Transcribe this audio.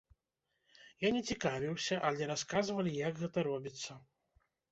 Я не цікавіўся, але расказвалі, як гэта робіцца.